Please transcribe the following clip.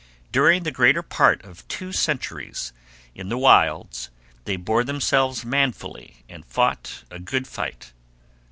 During the greater part of two centuries in the wilds they bore themselves manfully and fought a good fight.